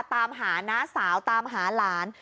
ตามหาน้าสาวตามหาหลาน